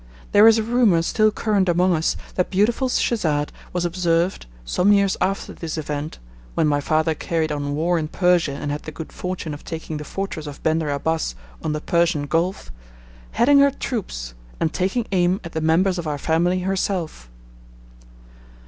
There is a rumour still current among us that beautiful Schesade was observed, some years after this event, when my father carried on war in Persia, and had the good fortune of taking the fortress of Bender Abbas on the Persian Gulf, heading her troops, and taking aim at the members of our family herself.